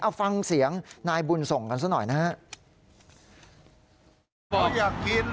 เอาฟังเสียงนายบุญส่งกันซะหน่อยนะครับ